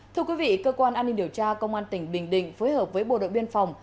thưa quý vị cơ quan an ninh điều tra công an tỉnh bình định phối hợp với bộ đội biên phòng